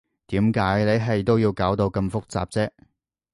點解你係都要搞到咁複雜啫？